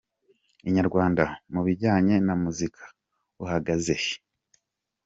Inyarwanda: Mu bijyanye na muzika uhagaze he ?.